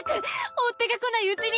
追っ手が来ないうちに。